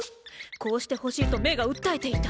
こうしてほしいと目が訴えていた。